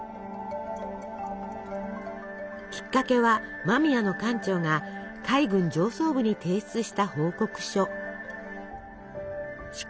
きっかけは間宮の艦長が海軍上層部に提出した報告書。